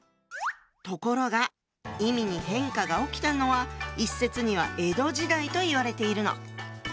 ところが意味に変化が起きたのは一説には江戸時代といわれているの。